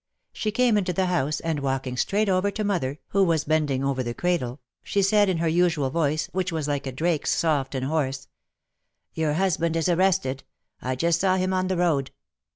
She came into the house and walking straight over to mother, who was bending over the cradle, she said in her usual voice, which was like a drake's, soft and hoarse, "Your husband is arrested ; I just saw him on the road